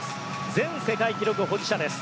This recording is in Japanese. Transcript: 前世界記録保持者です。